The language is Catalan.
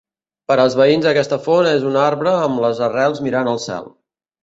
Per als veïns aquesta font és un arbre amb les arrels mirant al cel.